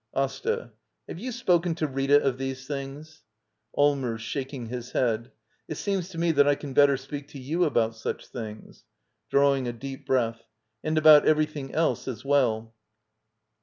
AsTA. Have you spoken to Rita of these things? Allmers. [Shaking his head.] It seems to me that I can better speak to you about such things. »^4!Drawing a deep breath.] And about everything else as well.